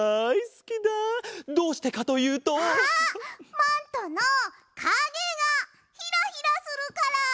マントのかげがヒラヒラするから！